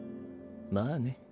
まあね。